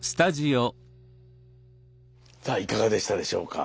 さあいかがでしたでしょうか？